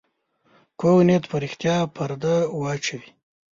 کوږ نیت پر رښتیا پرده واچوي